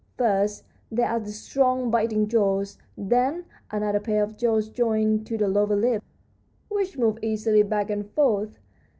First there are the strong biting jaws, then another pair of jaws joined to the lower lip, which move easily back and forth.